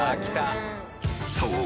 ［そう。